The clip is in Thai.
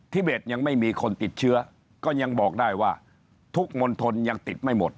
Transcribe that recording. เบ็ดยังไม่มีคนติดเชื้อก็ยังบอกได้ว่าทุกมณฑลยังติดไม่หมด